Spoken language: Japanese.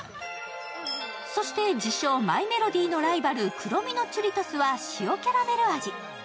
そして、自称・マイメロディのライバルクロミのチュリトスは塩キャラメル味。